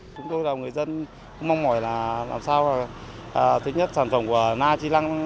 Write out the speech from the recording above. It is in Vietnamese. chúng tôi là người dân mong mỏi là làm sao thứ nhất sản phẩm của na chi lăng